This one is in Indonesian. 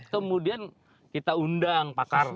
kemudian kita undang pakar